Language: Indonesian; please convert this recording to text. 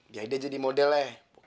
biar dia jadi model ya